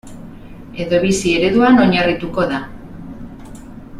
Edo bizi ereduan oinarrituko da.